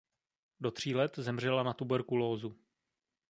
Do tří let zemřela na tuberkulózu.